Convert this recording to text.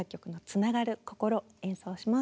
演奏します。